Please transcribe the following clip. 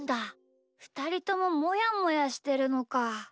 ふたりとももやもやしてるのか。